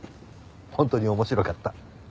本当に面白かった。